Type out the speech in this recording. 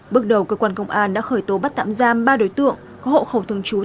bước đầu cơ quan công an đã khởi tố bắt tạm giam ba đối tượng